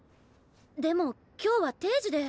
でも今日は定時で。